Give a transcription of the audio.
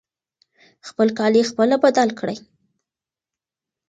خپل کالي خپله بدل کړئ.